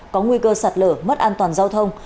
có nguy cơ sạt lở mất an toàn giao thông